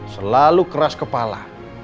selalu keras kepala